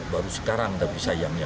baru sekarang tapi sayangnya